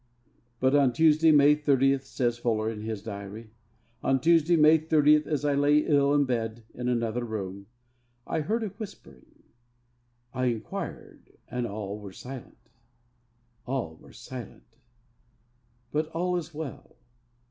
But, 'on Tuesday, May 30,' says Fuller in his diary, 'on Tuesday, May 30, as I lay ill in bed in another room, I heard a whispering. I inquired, and all were silent! All were silent! but all is well.